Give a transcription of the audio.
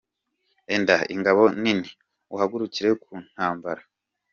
Enda ingabo nto n’inini, Uhagurukire kuntabara.